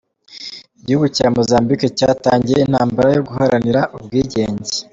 Igihugu cya Mozambique cyatangiye intambara yo guharanira ubwigenge.